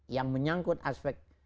yang menyangkut aspek